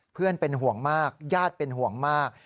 เพื่อนเป็นห่วงมากญาติเป็นห่วงมาก